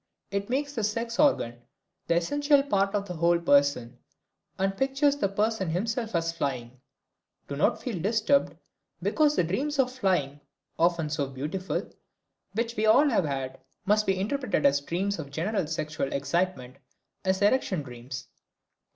It makes the sex organ the essential part of the whole person and pictures the person himself as flying. Do not feel disturbed because the dreams of flying, often so beautiful, and which we all have had, must be interpreted as dreams of general sexual excitement, as erection dreams.